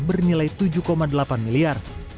bernilai tujuh delapan miliar